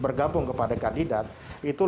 bergabung kepada kandidat itu